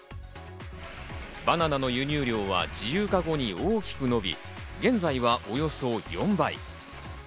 バナナの輸入量は自由化後に大きく伸び、現在はおよそ４倍。